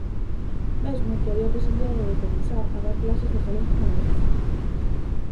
Mesmo, que había a posibilidade de comezar a dar clases de galego en Ourense.